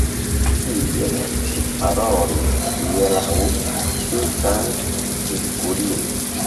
Kiel ŝi parolis hieraŭ pri Sankta Virgulino.